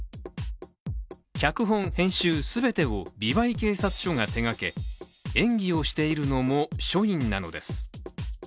脚本、編集全てを美唄警察署が手がけ演技をしているのも署員なのです。